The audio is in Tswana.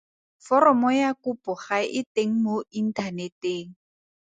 Foromo ya kopo ga e teng mo inthaneteng.